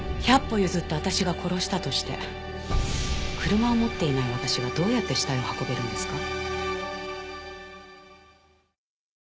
百歩譲って私が殺したとして車を持っていない私がどうやって死体を運べるんですか？